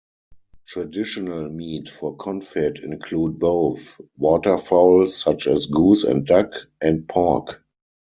Traditional meat for confit include both waterfowl such as goose and duck, and pork.